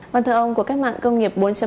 vâng thưa ông của các mạng công nghiệp